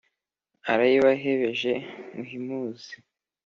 arayibahebeje muhimuzi,